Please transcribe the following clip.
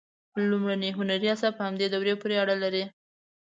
لومړني هنري آثار په همدې دورې پورې اړه لري.